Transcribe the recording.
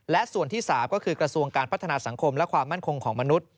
และส่วนที่๓ก็คือกระทรวงการพัฒนาสังคมและความมั่นคงของมนุษย